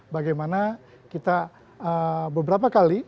bagaimana kita beberapa kali